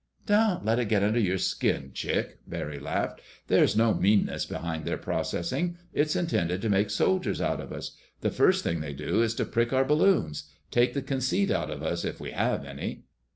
"Don't let it get under your skin, Chick," Barry laughed. "There's no meanness behind their processing. It's intended to make soldiers out of us. The first thing they do is to prick our balloons—take the conceit out of us, if we have any."